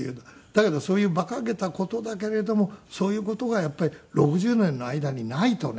だけどそういう馬鹿げた事だけれどもそういう事がやっぱり６０年の間にないとね。